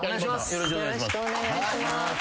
よろしくお願いします。